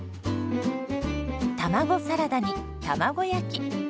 卵サラダに卵焼き。